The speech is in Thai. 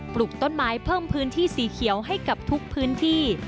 ปลูกต้นไม้เพิ่มพื้นที่สีเขียวให้กับทุกพื้นที่